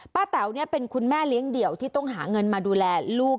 แต๋วเป็นคุณแม่เลี้ยงเดี่ยวที่ต้องหาเงินมาดูแลลูก